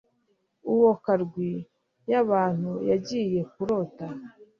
Uwo karwi yabantu yagiye kurota